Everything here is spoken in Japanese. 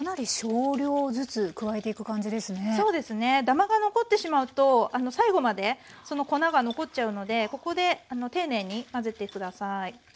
ダマが残ってしまうと最後までその粉が残っちゃうのでここで丁寧に混ぜて下さい。